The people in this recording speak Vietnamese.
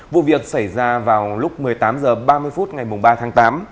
vụ việc xảy ra vào lúc một mươi tám h ba mươi phút ngày ba tháng tám